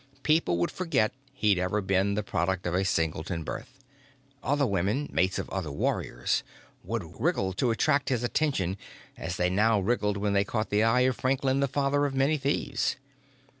People would forget he'd ever been the product of a singleton birth. Other women, mates of other warriors, would wriggle to attract his attention as they now wriggled when they caught the eye of Franklin the Father of Many Thieves.